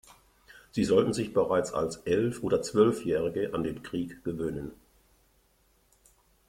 Sie sollten sich bereits als Elf- oder Zwölfjährige an den Krieg gewöhnen.